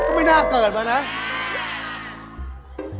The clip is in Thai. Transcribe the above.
ไม่น่าเกิดมานะ